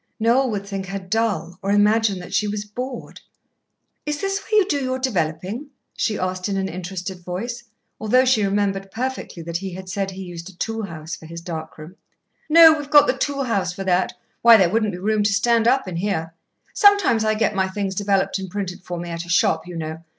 Noel would think her dull, or imagine that she was bored. "Is this where you do your developing?" she asked in an interested voice, although she remembered perfectly that he had said he used a tool house for his dark room. "No we've got the tool house for that. Why, there wouldn't be room to stand up in here. Sometimes I get my things developed and printed for me at a shop, you know.